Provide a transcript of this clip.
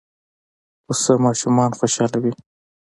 پسه ماشومان خوشحالوي.